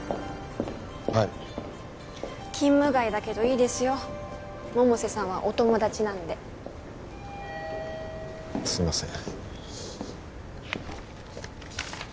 はい勤務外だけどいいですよ百瀬さんはお友達なんですいません